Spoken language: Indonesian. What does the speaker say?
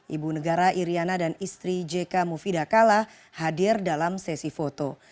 ibu negara iryana dan istri jk mufidah kala hadir dalam sesi foto